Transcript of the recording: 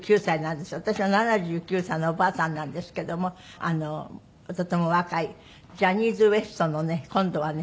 私は７９歳のおばあさんなんですけどもとてもお若いジャニーズＷＥＳＴのね今度はね